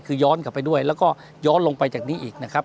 คือย้อนกลับไปด้วยแล้วก็ย้อนลงไปจากนี้อีกนะครับ